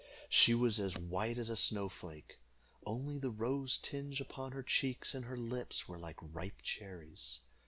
She was as white as a snow flake, only the rose tinge upon her cheeks and her lips were like ripe cherries.